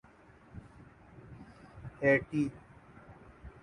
Haiti